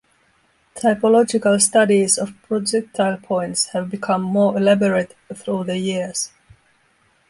Typological studies of projectile points have become more elaborate through the years.